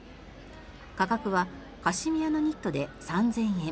価格はカシミヤのニットで３０００円